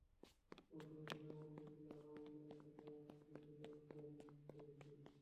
মৌসুমি ফলের মধ্যে ছিল আম, জাম, কাঁঠাল, আনারস, লিচু, লটকন প্রভৃতি।